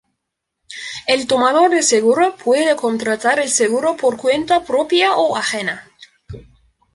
El tomador del seguro puede contratar el seguro por cuenta propia o ajena.